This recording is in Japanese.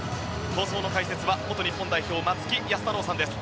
放送の解説は元日本代表松木安太郎さんです。